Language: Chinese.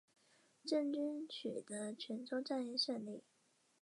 郑军取得泉州战役的胜利。